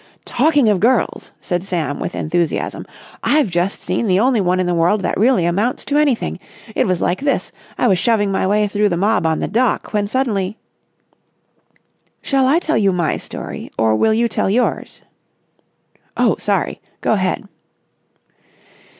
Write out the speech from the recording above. "Talking of girls," said Sam with enthusiasm, "I've just seen the only one in the world that really amounts to anything. It was like this. I was shoving my way through the mob on the dock, when suddenly...." "Shall I tell you my story, or will you tell yours?" "Oh, sorry! Go ahead."